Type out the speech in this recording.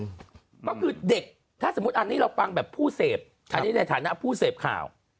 ก็คือเด็กถ้าสมมุติอันนี้เราฟังแบบผู้เสพอันนี้ในฐานะผู้เสพข่าว